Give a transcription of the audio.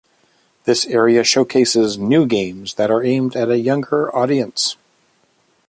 This area showcases new games that are aimed at a younger audience.